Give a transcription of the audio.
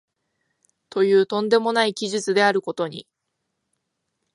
という飛んでもない奇術であることに、